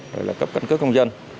rồi là cấp cân cước công dân